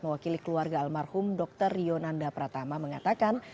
mewakili keluarga almarhum dr yonanda pratama mengatakan